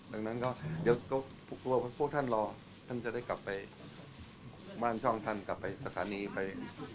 ซึ่งเดี๋ยวก็เพราะเผลอพวกท่านรอท่านก็จะได้กลับไปมั่นช่องท่านกลับไปสถานีไป